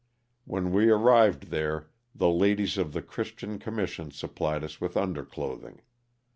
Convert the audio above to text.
When we arrived there the ladies of the Christian commission supplied us with under clothing.